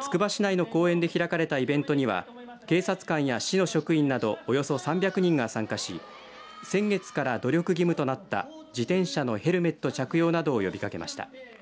つくば市内の公園で開かれたイベントには警察官や市の職員などおよそ３００人が参加し先月から努力義務となった自転車のヘルメット着用などを呼びかけました。